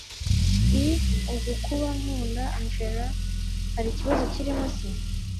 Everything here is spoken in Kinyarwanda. i ubwo kuba nkunda angella harikibazo kirimo se